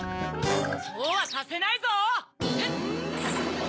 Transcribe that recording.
そうはさせないぞ！